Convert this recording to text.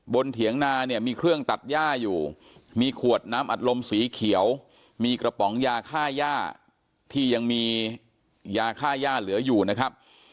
เถียงนาเนี่ยมีเครื่องตัดย่าอยู่มีขวดน้ำอัดลมสีเขียวมีกระป๋องยาค่าย่าที่ยังมียาค่าย่าเหลืออยู่นะครับ